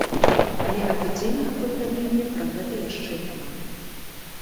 Але афіцыйнага паведамлення пра гэта яшчэ няма.